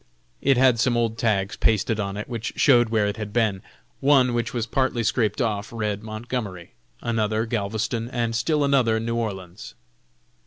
It had some old tags pasted on it, which showed where it had been. One which was partly scraped off, read Montgomery, another Galveston, and still another New Orleans.